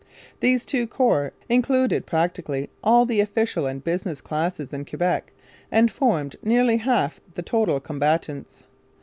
These two corps included practically all the official and business classes in Quebec and formed nearly half the total combatants.